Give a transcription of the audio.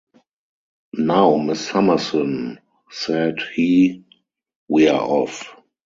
"Now, Miss Summerson," said he, "we are off!"